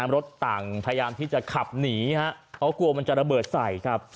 รถต่างพยายามที่จะขับหนีเขากลัวมันจะระเบิดใส